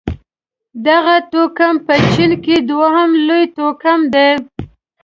دغه توکم په چين کې دویم لوی توکم دی.